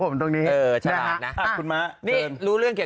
ดำเนินคดีต่อไปนั่นเองครับ